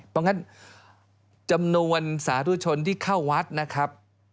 เพราะงั้นจำนวนสาธุชนที่เข้าวัดนะครับ